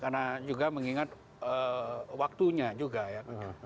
karena juga mengingat waktunya juga ya